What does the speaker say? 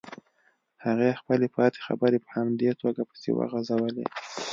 هغې خپلې پاتې خبرې په همدې توګه پسې وغزولې.